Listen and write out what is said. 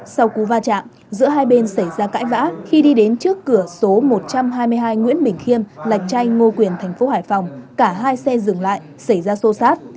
sau cú va chạm giữa hai bên xảy ra cãi vã khi đi đến trước cửa số một trăm hai mươi hai nguyễn bình khiêm lạch chay ngô quyền thành phố hải phòng cả hai xe dừng lại xảy ra xô xát